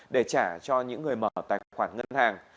để trả cho những người mở tài khoản ngân hàng